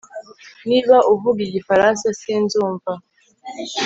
Niba uvuga igifaransa sinzumva